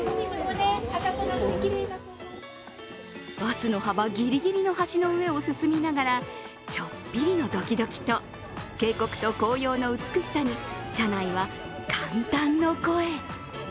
バスの幅ギリギリの橋の上を進みながらちょっぴりのドキドキと、紅葉と渓谷の美しさに車内は感嘆の声。